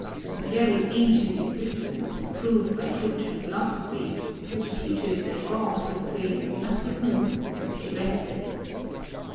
Its very ancient existence is proved by Christian philosophy, which teaches that God has created nothing new since he rested."